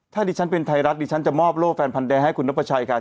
ถ้าดิฉันเป็นไทยรัฐดิฉันจะมอบโล่แฟนพันแดงให้คุณนพชัยค่ะ